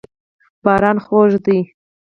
باران خوږ دی.